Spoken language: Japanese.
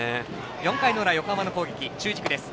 ４回の裏、横浜の攻撃、中軸です。